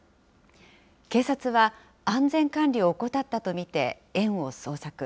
警察は、安全管理を怠ったと見て園を捜索。